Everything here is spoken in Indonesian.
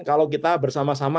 kalau kita bersama sama